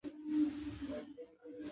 پسه د افغانستان د ملي هویت نښه ده.